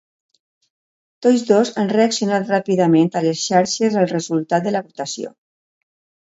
Tots dos han reaccionat ràpidament a les xarxes al resultat de la votació.